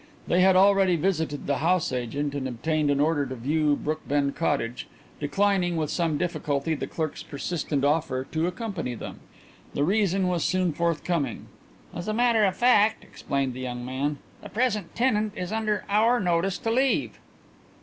They had already visited the house agent and obtained an order to view Brookbend Cottage, declining, with some difficulty, the clerk's persistent offer to accompany them. The reason was soon forthcoming. "As a matter of fact," explained the young man, "the present tenant is under our notice to leave."